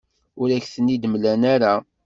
Ur aɣ-ten-id-mlan ara.